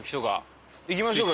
行きましょうか。